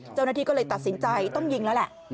เจ้าหน้าที่ก็เลยตัดสินใจต้องยิงแล้วแหละ